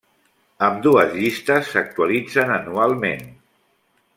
Ambdues llistes s'actualitzen anualment.